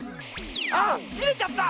あっきれちゃった！